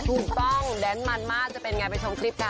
ถูกต้องแดนมันมากจะเป็นไงไปชมคลิปค่ะ